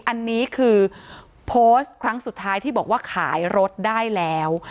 อันนี้คือโพสต์ครั้งสุดท้ายที่บอกว่าขายรถได้แล้ว